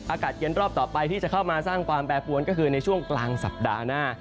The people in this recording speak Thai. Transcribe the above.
อากาศเย็นรอบต่อไปที่จะเข้ามาสร้างความแปรปวนก็คือในช่วงกลางสัปดาห์หน้า